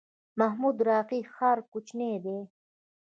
محمود راقي ښار کوچنی دی؟